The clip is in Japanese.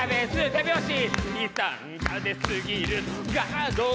手拍子！